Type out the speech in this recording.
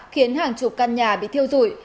khiến hàng chục căn nhà bị thiêu rụi